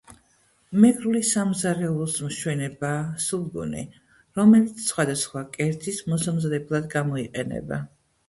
მეგრული სამზარეულოს მშვენებაა — სულგუნი, რომელიც სხვადასხვა კერძის მოსამზადებლად გამოიყენება.